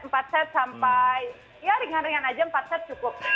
empat set sampai ya ringan ringan aja empat set cukup